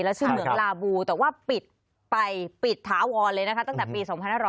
แล้วชื่อเหมืองลาบูแต่ว่าปิดไปปิดถาวรเลยนะคะตั้งแต่ปี๒๕๖๐